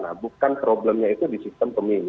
nah bukan problemnya itu di sistem pemilu